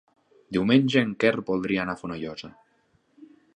Diumenge en Quer voldria anar a Fonollosa.